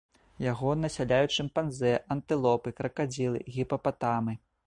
Яго насяляюць шымпанзэ, антылопы, кракадзілы, гіпапатамы.